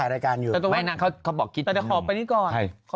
เหนื่อยเพราะเราไปแห่เขา